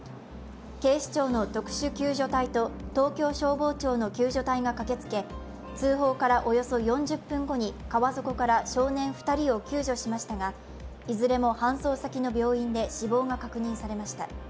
警視庁の特殊救助隊と東京消防庁の救助隊が駆けつけ通報からおよそ４０分後に川底から少年２人を救助しましたがいずれも搬送先の病院で死亡が確認されました。